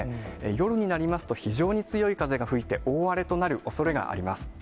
夜になりますと、非常に強い風が吹いて、大荒れとなるおそれがあります。